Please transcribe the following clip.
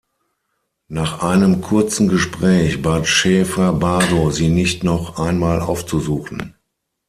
Nach einem kurzen Gespräch bat Schaeffer Bardo sie nicht noch einmal aufzusuchen.